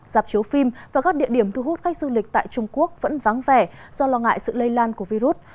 dạp chiếu phim và các địa điểm thu hút khách du lịch tại trung quốc vẫn vắng vẻ do lo ngại sự lây lan của virus